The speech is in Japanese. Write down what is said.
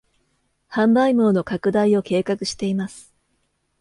販売網の拡大を計画しています